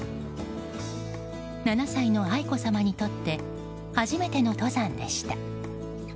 ７歳の愛子さまにとって初めての登山でした。